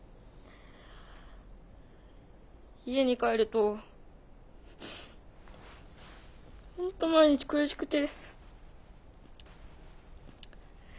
家に帰るとほんと毎日苦しくて。